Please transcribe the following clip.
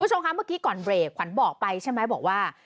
คุณผู้ชมคะเมื่อกี้ก่อนเบรกขวัญบอกไปใช่ไหมบอกว่า